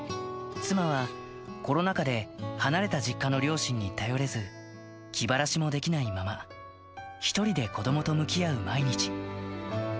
妻はコロナ禍で、離れた実家の両親に頼れず、気晴らしもできないまま、１人で子どもと向き合う毎日。